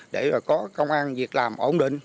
để có công an việc làm ổn định